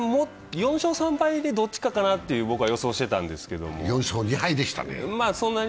４勝３敗でどっちかかなと予想してたんですけど４勝２敗でしたね。